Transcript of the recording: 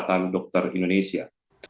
dan dokter indonesia